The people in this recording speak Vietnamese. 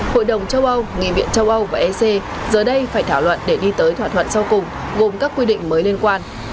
hội đồng châu âu nghị viện châu âu và ec giờ đây phải thảo luận để đi tới thỏa thuận sau cùng gồm các quy định mới liên quan